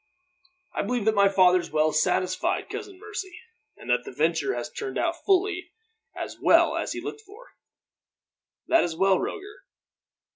"I believe that my father's well satisfied, Cousin Mercy, and that the venture has turned out fully as well as he looked for." "That is well, Roger.